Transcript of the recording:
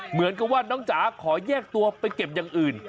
เหมือนกับว่าน้องจ๋าขอแยกตัวไปเก็บอย่างอื่น